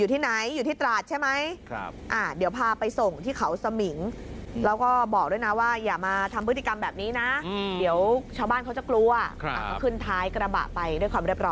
ขืนท้ายกระบะไปให้บอกนะว่าอย่ามาทำพฤติกรรมแบบนี้นะเช้าบ้านเขาจะกลัว